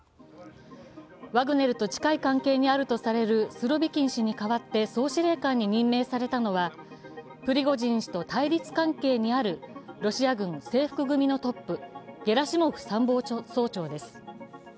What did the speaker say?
ワグネルと近い関係にあるとされるスロビキン氏に代わって総司令官に任命されたのは、プリゴジン氏と対立関係にあるロシア軍制服組のトップゲラシモフ参謀総長です。